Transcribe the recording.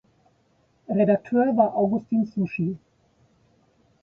Redakteur war Augustin Souchy.